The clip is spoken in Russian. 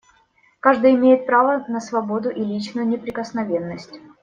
Каждый имеет право на свободу и личную неприкосновенность.